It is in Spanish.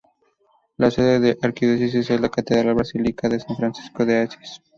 La sede de la Arquidiócesis es la Catedral Basílica de San Francisco de Asís.